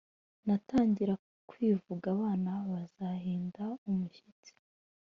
natangira kwivuga abana bazahinda umushyitsi,